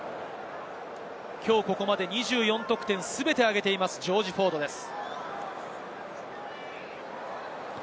きょうここまで２４得点全て挙げています、ジョージ・フォードです。